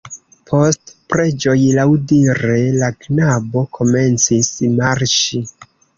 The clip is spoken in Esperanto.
Post preĝoj, laŭdire la knabo komencis marŝi.